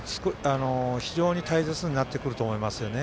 非常に大切になってくると思いますよね。